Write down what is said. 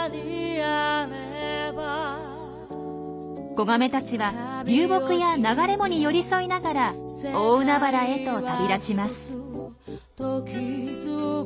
子ガメたちは流木や流れ藻に寄り添いながら大海原へと旅立ちます。